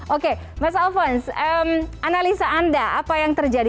oke mas alphonse analisa anda apa yang terjadi